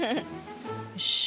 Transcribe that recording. よし。